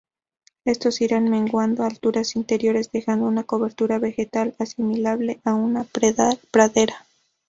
Estos irán menguando a alturas superiores dejando una cobertura vegetal asimilable a una pradera.